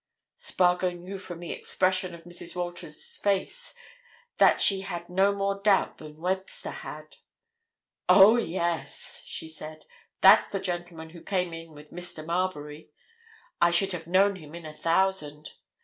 Spargo knew from the expression of Mrs. Walters' face that she had no more doubt than Webster had. "Oh, yes!" she said. "That's the gentleman who came in with Mr. Marbury—I should have known him in a thousand.